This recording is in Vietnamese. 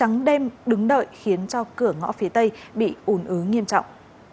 và trắng đêm đứng đợi khiến cho cửa ngõ phía tây bị ồn ứ nghiêm trọng